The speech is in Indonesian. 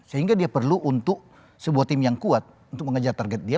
sehingga dia perlu untuk sebuah tim yang kuat untuk mengejar target dia